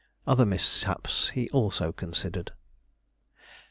Other mishaps he also considered.